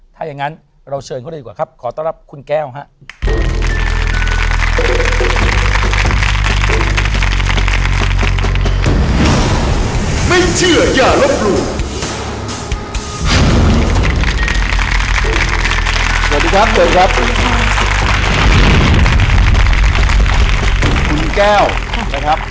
ถ้าอย่างนั้นเราเชิญเขาเลยดีกว่าครับขอต้อนรับคุณแก้วครับ